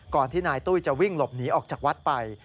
ที่นายตุ้ยจะวิ่งหลบหนีออกจากวัดไป